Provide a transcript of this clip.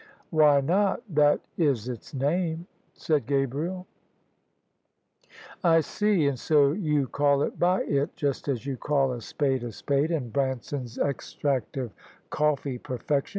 "Why not? That is its name," said GabrieL THE SUBJECTION "I see: and so you call it by It, just as you call a spade a spade, and Branson's Extract of Coffee perfection.